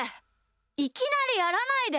いきなりやらないで。